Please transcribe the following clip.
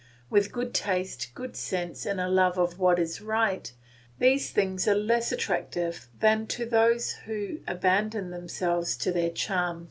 With good taste, good sense, and a love of what is right, these things are less attractive than to those who abandon themselves to their charm.